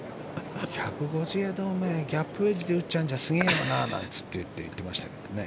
１５０ヤード、お前ウェッジで打っちゃうんじゃすげえよななんて言ってましたけどね。